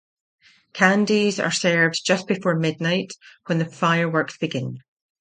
Candies are served just before midnight, when the fireworks begin.